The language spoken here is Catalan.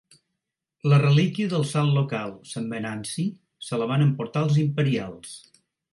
La relíquia del sant local, Sant Venanci, se la van emportar els imperials.